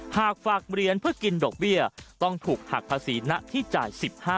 หากฝากเหรียญเพื่อกินดอกเบี้ยต้องถูกหักภาษีณที่จ่าย๑๕